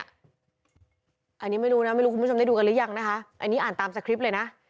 อันนี้ไม่รู้นะไม่รู้คุณผู้ชมได้ดูกันหรือยังนะคะอันนี้อ่านตามสคริปต์เลยนะ